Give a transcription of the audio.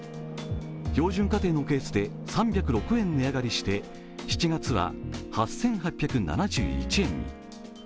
標準家庭のケースで３０６円値上がりして７月は８８７１円に。